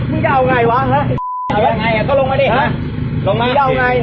มึงจะเอาไงวะเห้ย